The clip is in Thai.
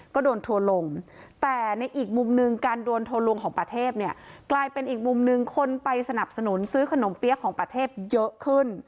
ก็โดนทัวร์ลงแต่ในอีกมุมหนึ่งการโดนทัวลวงของประเทศเนี่ยกลายเป็นอีกมุมหนึ่งคนไปสนับสนุนซื้อขนมเปี๊ยกของประเทศเยอะขึ้น